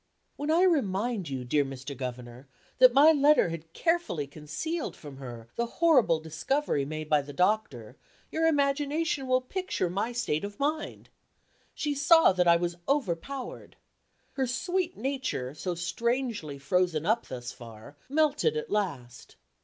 When I remind you, dear Mr. Governor, that my letter had carefully concealed from her the horrible discovery made by the doctor, your imagination will picture my state of mind. She saw that I was overpowered. Her sweet nature, so strangely frozen up thus far, melted at last.